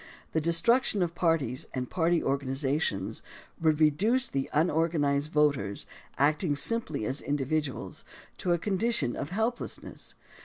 The destruction of parties and party organizations would reduce the un organized voters, acting simply as individuals, to a condition of helplessness.